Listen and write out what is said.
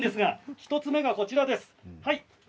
１つ目がこちらです。